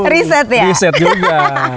reset ya reset juga